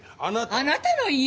あなたの家！？